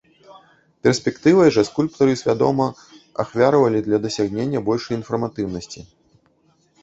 Перспектывай жа скульптары свядома ахвяравалі для дасягнення большай інфарматыўнасці.